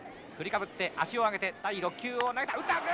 振りかぶって、足を上げて第６球を投げた。